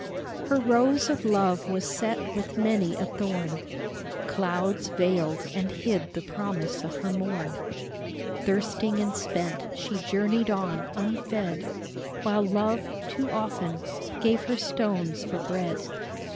Her rose of Love was set with many a thorn, Clouds veiled and hid the promise of her morn ; Thirsting and spent, she journeyed on unfed, While Love, too often, gave her stones for bread.